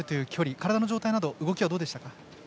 体の状態など動きはどうでしたか。